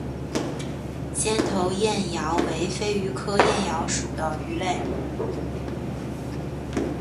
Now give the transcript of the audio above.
尖头燕鳐为飞鱼科燕鳐属的鱼类。